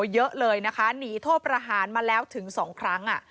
เยอะเลยนะคะหนีโทษประหารมาแล้วถึง๒ครั้ง